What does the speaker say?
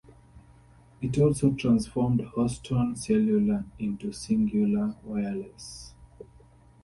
It also transformed Houston Cellular into Cingular Wireless.